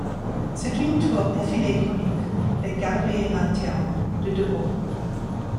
C'est une tour effilée conique, avec galerie et lanterne, de de haut.